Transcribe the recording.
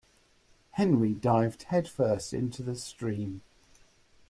Henry dived headfirst into the stream.